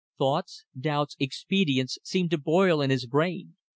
Thoughts, doubts, expedients seemed to boil in his brain.